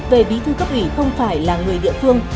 về bí thư cấp ủy không phải là người địa phương